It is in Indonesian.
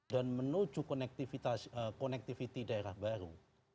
dan menuju connectivity daerah baru